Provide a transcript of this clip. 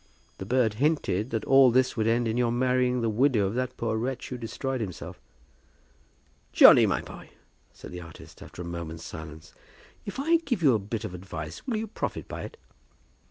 "The bird hinted that all this would end in your marrying the widow of that poor wretch who destroyed himself." "Johnny, my boy," said the artist, after a moment's silence, "if I give you a bit of advice, will you profit by it?"